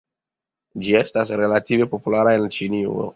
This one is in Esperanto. Ĝi estas relative populara en Ĉinujo.